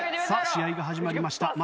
さあ試合が始まりました。